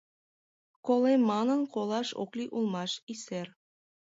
Колем манын, колаш ок лий улмаш, исер...